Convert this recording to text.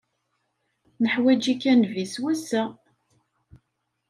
Neḥwaǧ-ik a nnbi s wass-a!